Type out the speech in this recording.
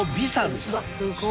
すごい。